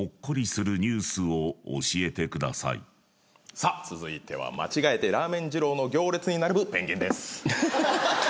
さあ続いては間違えてラーメン二郎の行列に並ぶペンギンです。